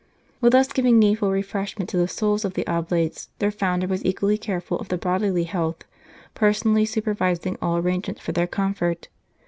While thus giving needful refreshment to the souls of the Oblates, their founder was equally careful of their bodily health, personally super vising all arrangements for their comfort.